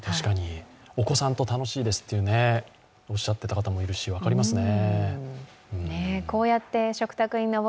お子さんと楽しいですとおっしゃっていた方もいますし分かりますね。